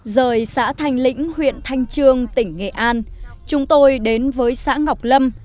rời xã thanh lĩnh huyện thanh trương tỉnh nghệ an chúng tôi đến với xã ngọc lâm